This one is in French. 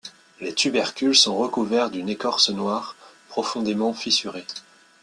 Les tubercules sont recouverts d'une écorce noire, profondément fissurée.